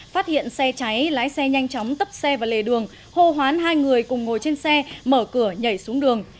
phát hiện xe cháy lái xe nhanh chóng tấp xe vào lề đường hô hoán hai người cùng ngồi trên xe mở cửa nhảy xuống đường